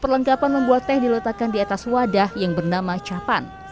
perlengkapan membuat teh diletakkan di atas wadah yang bernama capan